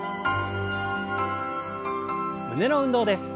胸の運動です。